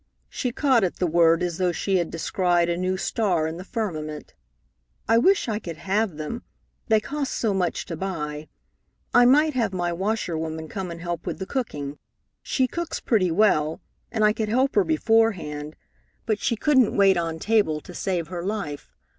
She caught at the word as though she had descried a new star in the firmament. "I wish I could have them. They cost so much to buy. I might have my washerwoman come and help with the cooking. She cooks pretty well, and I could help her beforehand, but she couldn't wait on table, to save her life.